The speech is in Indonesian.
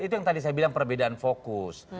itu yang tadi saya bilang perbedaan fokus